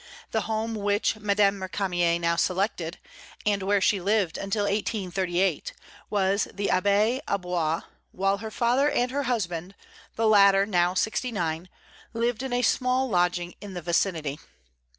The home which Madame Récamier now selected, and where she lived until 1838, was the Abbaye au Bois, while her father and her husband, the latter now sixty nine, lived in a small lodging in the vicinity.